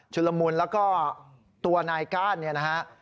ละมุนแล้วก็ตัวนายก้านเนี่ยนะฮะ